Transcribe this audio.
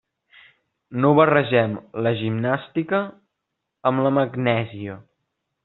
No barregem la gimnàstica amb la magnèsia.